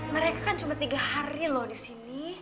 mereka kan cuma tiga hari loh disini